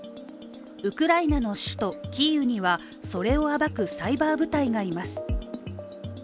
ウクライナの首都キーウにはそれを暴くサイバー部隊がいます。